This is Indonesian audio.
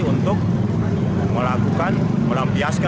untuk melakukan melampiaskan